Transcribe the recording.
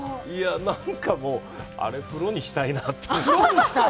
なんかもう、あれ風呂にしたいなって。